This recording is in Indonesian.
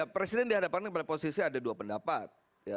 presiden dihadapkan pada posisi ada dua pendapat